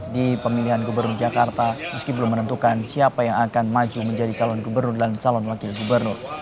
di pemilihan gubernur jakarta meski belum menentukan siapa yang akan maju menjadi calon gubernur dan calon wakil gubernur